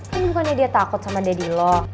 mungkin dia takut sama daddy lo